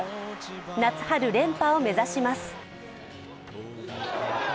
夏春連覇を目指します。